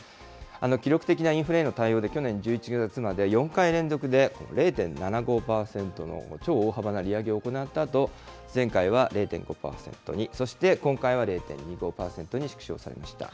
記録的なインフレへの対応で、去年１１月まで４回連続で０．７５％の超大幅な利上げを行ったあと、前回は０．５％に、そして今回は０．２５％に縮小されました。